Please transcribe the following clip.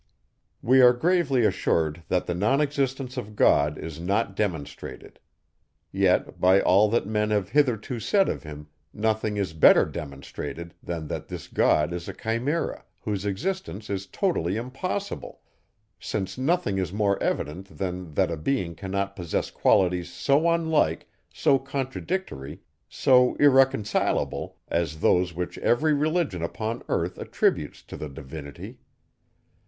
We are gravely assured, that the non existence of God is not demonstrated. Yet, by all that men have hitherto said of him, nothing is better demonstrated, than that this God is a chimera, whose existence is totally impossible; since nothing is more evident, than that a being cannot possess qualities so unlike, so contradictory, so irreconcilable, as those, which every religion upon earth attributes to the Divinity.